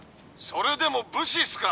「それでも武士っすか？